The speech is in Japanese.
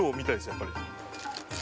やっぱり。